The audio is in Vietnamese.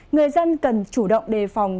người dân cần chủ động đề phòng